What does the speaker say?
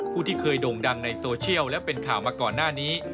ที่เคยโด่งดังในโซเชียลและเป็นข่าวมาก่อนหน้านี้